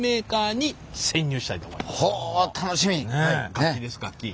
楽器です楽器。